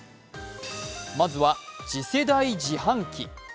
まずは次世代自販機。